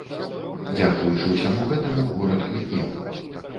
Дзякуючы ўсяму гэтаму горад квітнеў.